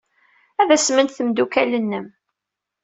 Ad asment tmeddukal-nnem.